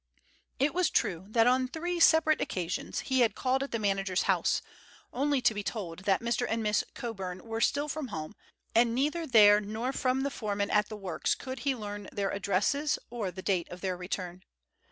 It was true that on three separate occasions he had called at the manager's house, only to be told that Mr. and Miss Coburn were still from home, and neither there nor from the foreman at the works could he learn their addresses or the date of their return.